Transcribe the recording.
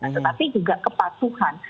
tetapi juga kepatuhan